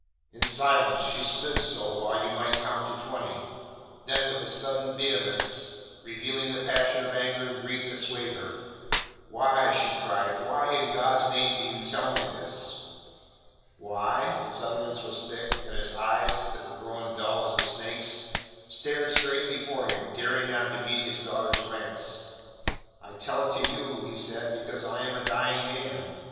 In silence she stood so while you might count to twenty; then with a sudden vehemence revealing the passion of anger and grief that swayed her: "Why," she cried, "why in God's name do you tell me this?" "Why?" His utterance was thick, and his eyes, that were grown dull as a snake's, stared straight before him, daring not to meet his daughter's glance. "I tell it you," he said, "because I am a dying man."